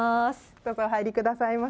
どうぞお入りくださいませ。